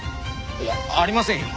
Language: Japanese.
いやありませんよ。